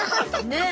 ねえ。